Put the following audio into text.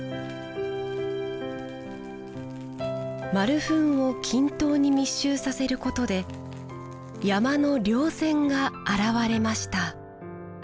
丸粉を均等に密集させることで山の稜線が現れました